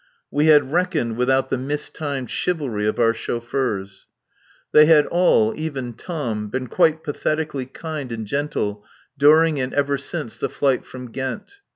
We had reckoned without the mistimed chivalry of our chauffeurs. They had all, even Tom, been quite pathetically kind and gentle during and ever since the flight from Ghent.